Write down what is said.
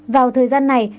vào thời gian này